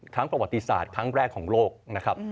ประวัติศาสตร์ครั้งแรกของโลกนะครับ